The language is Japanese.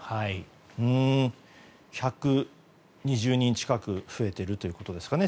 １２０人近く増えているということですかね